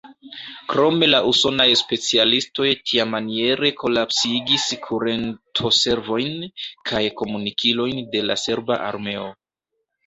Krome la usonaj specialistoj tiamaniere kolapsigis kurentoservojn kaj komunikilojn de la serba armeo.